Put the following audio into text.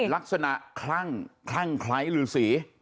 ลักษณะคลั่งคลั่งไครรูสี